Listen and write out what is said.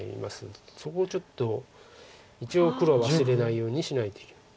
そこをちょっと一応黒は忘れないようにしないといけない。